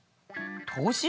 投資？